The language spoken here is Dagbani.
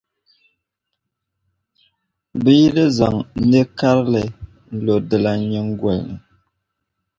bɛ yi di zaŋ nɛ’ karili lo dilan’ nyiŋgoli ni.